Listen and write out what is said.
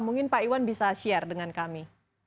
mungkin pak iwan bisa share dengan kami